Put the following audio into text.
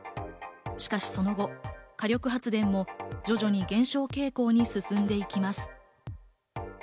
しかしその後、火力発電も徐々に減少傾向に進んでいきます。